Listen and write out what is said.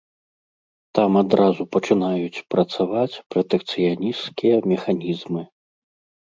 Там адразу пачынаюць працаваць пратэкцыянісцкія механізмы.